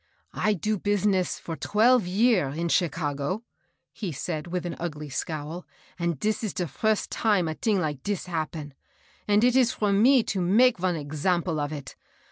" I do business for twelve year in Chicago,*' he said, with an ugly scowl, "and dis de first time a ting like dis' happen ; and it is for me to make von example of it.